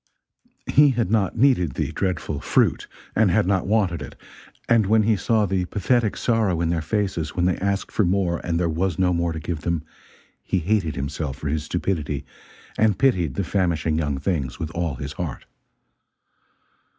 He had not needed the dreadful "fruit," and had not wanted it; and when he saw the pathetic sorrow in their faces when they asked for more and there was no more to give them, he hated himself for his stupidity and pitied the famishing young things with all his heart.